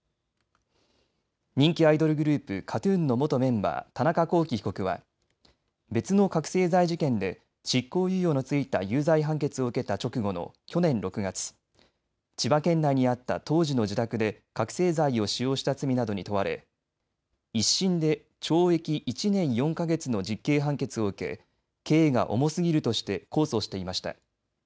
人気アイドルグループ、ＫＡＴ−ＴＵＮの元メンバー、田中聖被告は別の覚醒剤事件で執行猶予の付いた有罪判決を受けた直後の去年６月、千葉県内にあった当時の自宅で覚醒剤を使用した罪などに問われ１審で懲役１年４か月の実刑判決を受け、刑が重すぎるとして控訴していました。